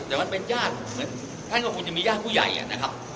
แต่มันเป็นญาติเหมือนท่านก็คงจะมีญาติผู้ใหญ่นะครับ